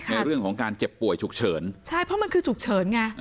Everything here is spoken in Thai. ในเรื่องของการเจ็บป่วยฉุกเฉินใช่เพราะมันคือฉุกเฉินไง